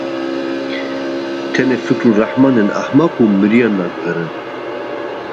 Tenê fikir û ramanên ehmeq û miriyan naguherin.